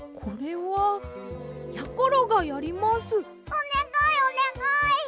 おねがいおねがい！